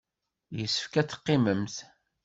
Yessefk ad teqqimemt.